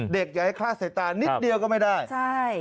อย่าให้คลาดใส่ตานิดเดียวก็ไม่ได้ใช่